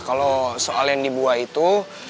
kalau soal yang di buah itu